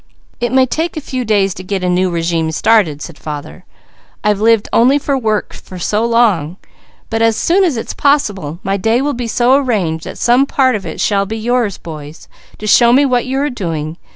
"It may take a few days to get a new régime started," said father, "I've lived only for work so long; but as soon as it's possible, my day will be so arranged that some part of it shall be yours, boys, to show me what you are doing.